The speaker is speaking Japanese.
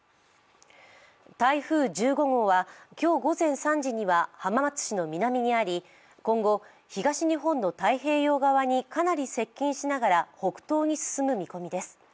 台風１５号は今日午前３時には、浜松市の南にあり、今後、東日本の太平洋側にかなり接近しながら北東に進む見込みです。